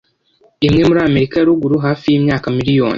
imwe muri Amerika ya ruguru Hafi yimyaka miriyoni